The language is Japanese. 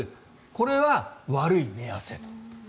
これは悪い寝汗と。